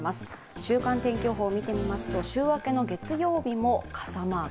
週間天気予報を見てみますと週明けの月曜日も傘マーク。